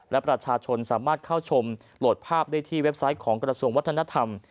และประชาชนสามารถเข้าชมโหลดภาพได้ที่เว็บไซต์ของกระทรวงวัฒนธรรม